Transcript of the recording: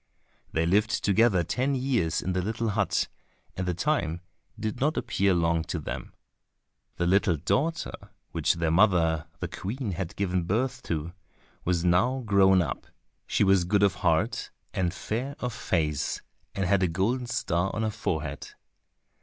They lived together ten years in the little hut, and the time did not appear long to them. The little daughter which their mother the Queen had given birth to, was now grown up; she was good of heart, and fair of face, and had a golden star on her forehead.